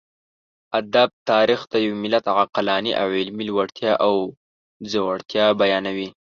ادب تاريخ د يوه ملت عقلاني او علمي لوړتيا او ځوړتيا بيانوي.